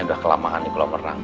udah kelamaan nih kalau pernah